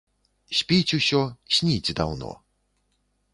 Спіць усё, сніць даўно.